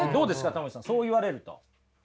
たま虫さんそう言われると。